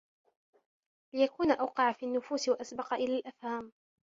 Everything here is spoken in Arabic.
لِيَكُونَ أَوْقَعَ فِي النُّفُوسِ وَأَسْبَقَ إلَى الْأَفْهَامِ